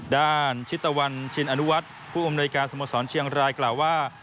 ด้านชิตวรรณชินอนุวัฒน์ผู้อำนวยการสมสรรค์เชียงรายกล่าวว่า